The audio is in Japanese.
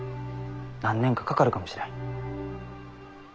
何年かかかるかもしれん。